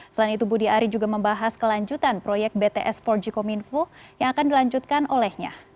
selain itu budi ari juga membahas kelanjutan proyek bts empat g kominfo yang akan dilanjutkan olehnya